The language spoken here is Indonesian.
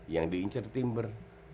yang di incer timber